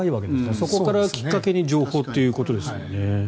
そこをきっかけに情報ということですよね。